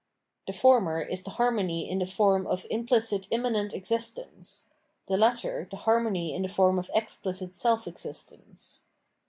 The former is the harmony m the form of implicit immanent exist ence ; the latter, the harmony in the form of exphcit self existence.